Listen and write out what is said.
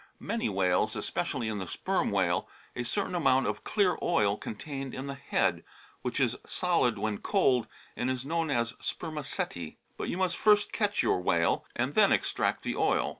107 io8 A SO OK OF WHALES many whales, especially in the Sperm whale, a certain amount of clear oil contained in the head, which is solid when cold, and is known as spermaceti. But you must first catch your whale, and then extract the oil.